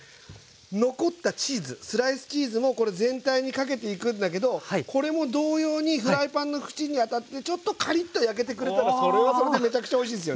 残ったチーズスライスチーズもこれ全体にかけていくんだけどこれも同様にフライパンの縁に当たってちょっとカリッと焼けてくれたらそれはそれでめちゃくちゃおいしいですよね。